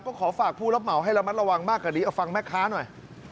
ก็ขอฝากผู้รับเหมาให้ระมัดระวังมากกว่านี้เอาฟังแม่ค้าหน่อย